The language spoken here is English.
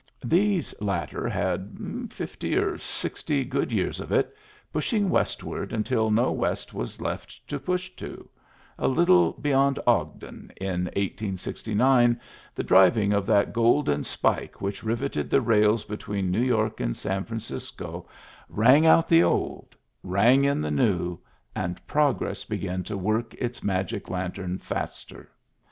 These latter had fifty or sixty good years of it, pushing westward until no west was left to push to; a little beyond Ogden in 1869, the driving of that golden spike which riveted the rails between New York and San Francisco, rang out the old, rang in the new, and progress began to work its magic lantern faster.